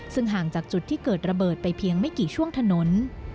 ซึ่งห่างจากจุดที่เกิดระเบิดไปเพียงไม่กี่ช่วงถนน